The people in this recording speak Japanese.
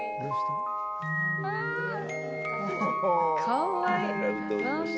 かわいい！